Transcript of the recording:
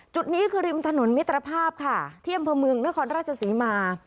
จุดนี้คือริมถนนมิตรภาพค่ะที่อำเภอเมืองนครราชศรีมา